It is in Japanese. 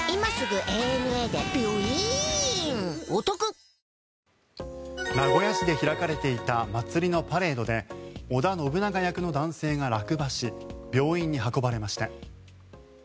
便質改善でラクに出す名古屋市で開かれていた祭りのパレードで織田信長役の男性が落馬し病院に運ばれました。